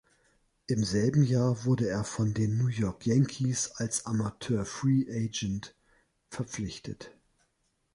Im selben Jahr wurde er von den New York Yankees als Amateur-Free Agent verpflichtet.